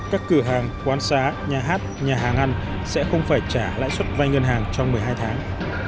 các cửa hàng quán xá nhà hát nhà hàng ăn sẽ không phải trả lãi suất vai ngân hàng trong một mươi hai tháng